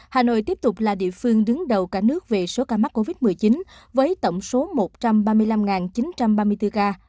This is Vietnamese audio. hà nội tiếp tục là địa phương đứng đầu cả nước về số ca mắc covid một mươi chín với tổng số một trăm ba mươi năm chín trăm ba mươi bốn ca